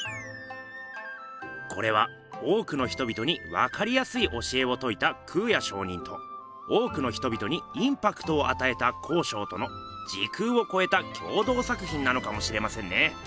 これは多くの人々にわかりやすい教えをといた空也上人と多くの人々にインパクトをあたえた康勝との時空をこえた共同作品なのかもしれませんね。